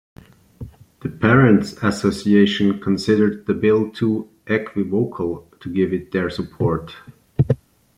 The Parents' Association considered the bill too equivocal to give it their support.